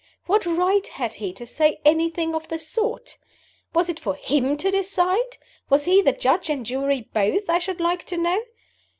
What right had he to say anything of the sort? Was it for him to decide? Was he the Judge and Jury both, I should like to know?